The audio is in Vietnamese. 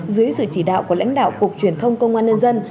dưới sự chỉ đạo của lãnh đạo cục truyền thông công an nhân dân